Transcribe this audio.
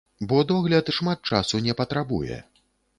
Бо догляд шмат часу не патрабуе.